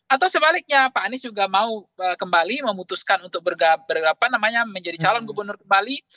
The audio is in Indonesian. atau sebaliknya pak anies juga mau kembali memutuskan untuk menjadi calon gubernur kembali